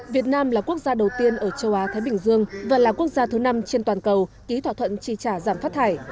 việt nam là quốc gia đầu tiên ở châu á thái bình dương và là quốc gia thứ năm trên toàn cầu ký thỏa thuận chi trả giảm phát thải